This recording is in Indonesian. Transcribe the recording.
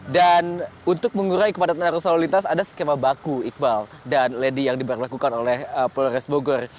dan untuk mengurai kepadatan arus selalu lintas ada skema baku iqbal dan lady yang diberlakukan oleh polres bogor